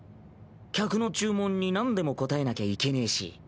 客の注文になんでも応えなきゃいけねぇし。